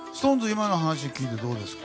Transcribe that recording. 今の話聞いてどうです？